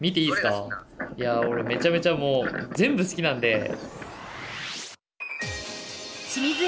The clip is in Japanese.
いや俺めちゃめちゃもう全部好きなんで。